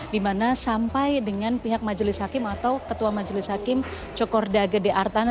dimana sampai dengan pihak majelis hakim atau ketua majelis hakim cokorda gede artana